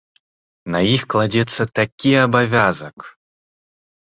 На іх кладзецца такі абавязак.